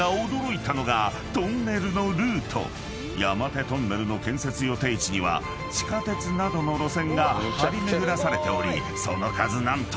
［山手トンネルの建設予定地には地下鉄などの路線が張り巡らされておりその数何と］